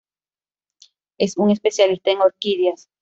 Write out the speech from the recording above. Es un especialista en orquídeas.